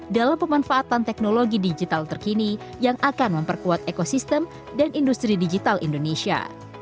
dalam pemanfaatan teknologi digital terkini yang akan memperkuat ekosistem dan industri digital indonesia